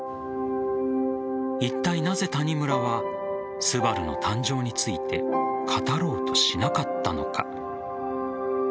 いったいなぜ谷村は「昴」の誕生について語ろうとしなかったのか。